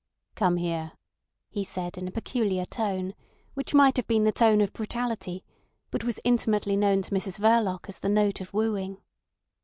"Come here," he said in a peculiar tone, which might have been the tone of brutality, but was intimately known to Mrs Verloc as the note of wooing.